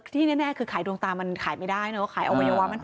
ที่แน่คือขายดวงตามันขายไม่ได้เนอะ